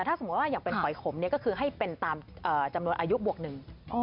ถ้าสมมุติว่าอย่างเป็นหอยขมก็คือให้เป็นตามจำนวนอายุบวกหนึ่ง